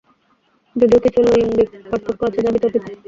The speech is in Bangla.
যদিও কিছু লৈঙ্গিক পার্থক্য আছে যা বিতর্কিত।